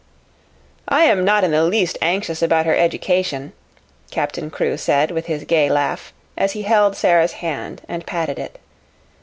"I am not in the least anxious about her education," Captain Crewe said, with his gay laugh, as he held Sara's hand and patted it.